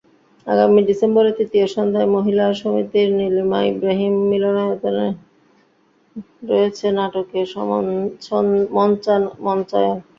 আগামী ডিসেম্বরের তৃতীয় সন্ধ্যায় মহিলা সমিতির নীলিমা ইব্রাহিম মিলনায়তনে রয়েছে নাটকটির মঞ্চায়ন।